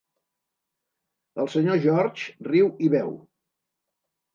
El senyor George riu i beu.